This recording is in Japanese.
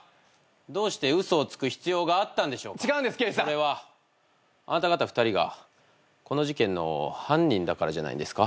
それはあなた方２人がこの事件の犯人だからじゃないですか？